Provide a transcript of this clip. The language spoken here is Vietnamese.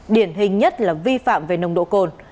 điển hình nhất là vi phạm về nồng độ cồn